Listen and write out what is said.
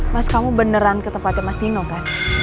mas kamu beneran ke tempatnya mas dino kan